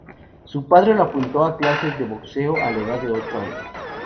Su padre lo apuntó a clases de boxeo a la edad de ocho años.